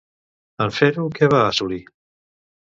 En fer-ho, què va assolir?